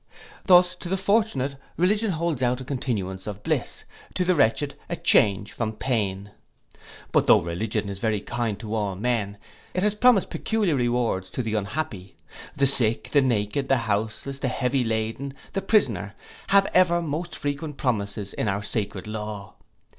Thus to the fortunate religion holds out a continuance of bliss, to the wretched a change from pain. But though religion is very kind to all men, it has promised peculiar rewards to the unhappy; the sick, the naked, the houseless, the heavy laden, and the prisoner, have ever most frequent promises in our sacred law.